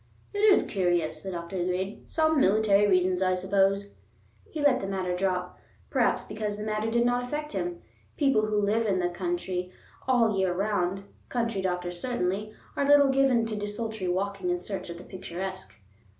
"It is curious," the doctor agreed. "Some military reasons, I suppose." He let the matter drop, perhaps because the matter did not affect him. People who live in the country all the year round, country doctors certainly, are little given to desultory walking in search of the picturesque.